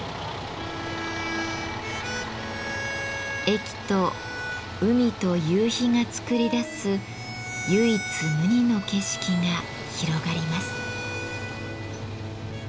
駅と海と夕日が作り出す唯一無二の景色が広がります。